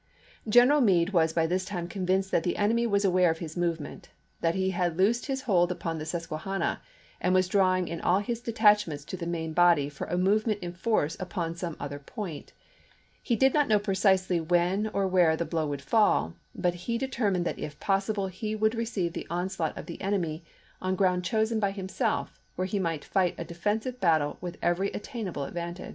General Meade was by this time convinced that the enemy was aware of his movement; that he had loosed his hold upon the Susquehanna; and was drawing in all his detachments to the main body for a movement in force upon some other point; he did not know precisely when or where the blow would fall, but he determined that if possible he would receive the onslaught of the enemy on ground chosen by himself, where he might fight a defensive battle with every attainable advantage.